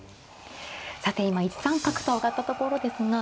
さて今１三角と上がったところですが。